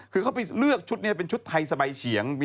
คือเขาไปเลือกชุดนี้เป็นชุดไทยสบายเฉียง